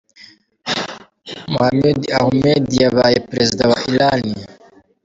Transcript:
Mahmoud Ahmedinejad yabaye perezida wa Iran.